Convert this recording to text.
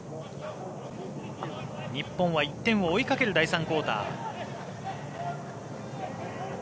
日本は１点を追いかける第３クオーター。